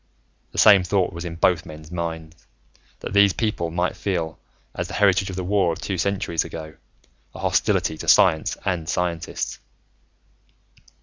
The same thought was in both men's minds, that these people might feel, as the heritage of the war of two centuries ago, a hostility to science and scientists.